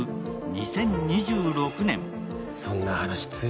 ２０２６年。